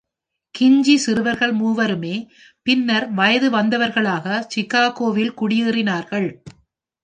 கின்ஜி சிறுவர்கள் மூவருமே பின்னர் வயது வந்தவர்களாகச் சிகாகோ-வில் குடியேறினார்கள்.